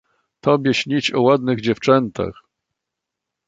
"Tobie śnić o ładnych dziewczętach!"